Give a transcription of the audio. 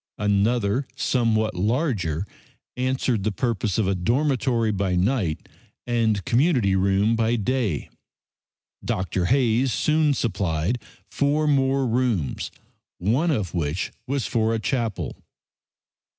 Another, somewhat larger, answered the purpose of a dormitory by night and community room by day. Dr. Hayes soon supplied four more rooms, one of which was for a chapel.